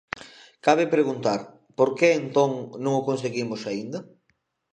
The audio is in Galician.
Cabe preguntar: por que, entón, non o conseguimos aínda?